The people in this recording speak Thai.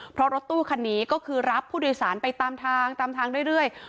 เพราะรถตู้คันนี้ก็คือรับผู้โดยสารไปตามทางตามทางเรื่อย